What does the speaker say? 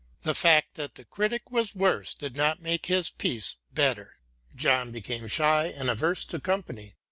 The fact that the critic was worse did not make his piece better. John became shy and averse to company.